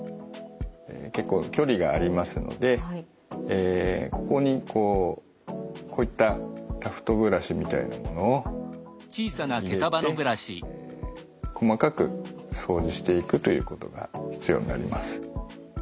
結構距離がありますのでここにこうこういったタフトブラシみたいなものを入れて細かく掃除していくということが必要になります。